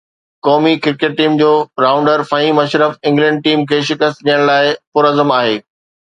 قومي cricket team جو rounder Faheem Ashraf England team کي شڪست ڏيڻ لاءِ پرعزم آهي